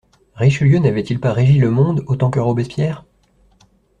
Richelieu n'avait-il pas régi le monde, autant que Robespierre?